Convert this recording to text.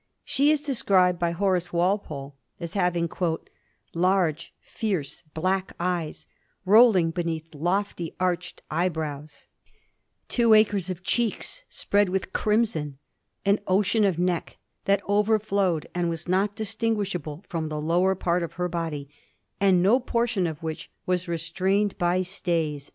She is described by Horace Walpole as having ' large fierce black eyes rolling beneath lofty arched eyebrows, two acres of cheeks spread with crimson, an ocean of neck that overflowed and was not distinguishable fi'om the lower part of her body, and no portion of which waa restrained by stays.'